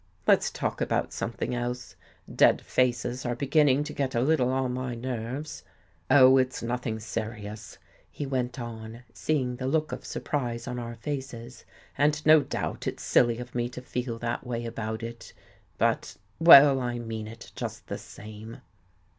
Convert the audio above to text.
Let's talk about something else. Dead faces are beginning to get a little on my nerves. Oh, it's nothing serious," he went on, seeing the look of surprise on our faces, " and no doubt it's silly of me to feel that way about it. But — well, I mean it just the same."